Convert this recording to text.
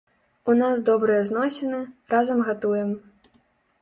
У нас добрыя зносіны, разам гатуем.